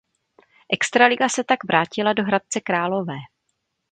Extraliga tak se vrátila do Hradce Králové.